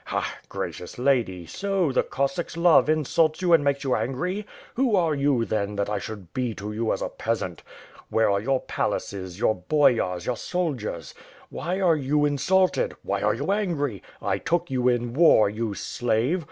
Ha! Gracious lady, so, the Cossack's love insults you and makes you angry? Who are you then that I should be to you as a peasant? Where are your palaces, your Boyars, your soldiers r Why are you in sulted? Why are you angry? I took you in war, you slave!